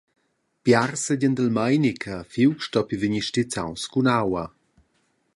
Biars seigien dil meini che fiug stoppi vegnir stizzaus cun aua.